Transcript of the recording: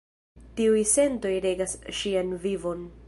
Tiuj sentoj regas ŝian vivon.